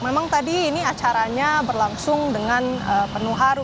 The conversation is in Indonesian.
memang tadi ini acaranya berlangsung dengan penuh haru